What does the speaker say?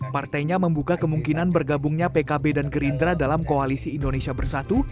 partainya membuka kemungkinan bergabungnya pkb dan gerindra dalam koalisi indonesia bersatu